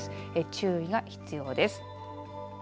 注意が必要です。